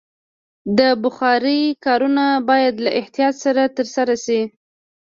د بخارۍ کارونه باید له احتیاط سره ترسره شي.